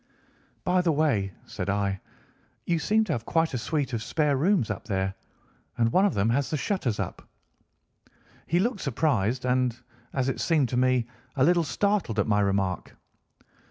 'By the way,' said I, 'you seem to have quite a suite of spare rooms up there, and one of them has the shutters up.' "He looked surprised and, as it seemed to me, a little startled at my remark.